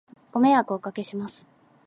ご迷惑をお掛けします